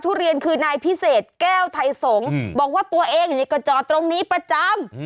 ทุเรียนคือนายพิเศษแก้วไทยสงฆ์บอกว่าตัวเองนี่ก็จอดตรงนี้ประจำ